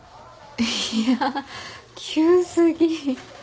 いや急過ぎ。